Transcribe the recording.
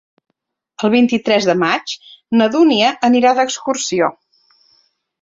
El vint-i-tres de maig na Dúnia anirà d'excursió.